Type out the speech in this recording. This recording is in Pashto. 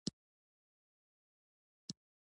دوی ځینې وخت د بې انصافۍ له امله بغاوت کاوه.